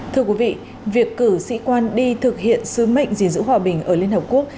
thưa quý vị việc cử sĩ quan đi thực hiện sứ mệnh gìn giữ hòa bình ở liên hợp quốc